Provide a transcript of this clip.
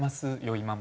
今も。